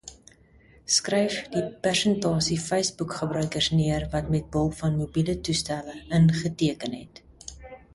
Skryf die persentasie Facebook-gebruikers neer wat met behulp van mobiele toestelle ingeteken het.